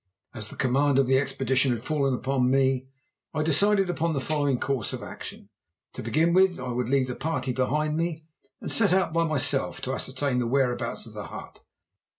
As the command of the expedition had fallen upon me I decided upon the following course of action: To begin with, I would leave the party behind me and set out by myself to ascertain the whereabouts of the hut.